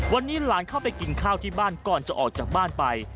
วันนี้หลานเข้าไปกินข้าวที่บ้านก่อนจะออกจากบ้านไป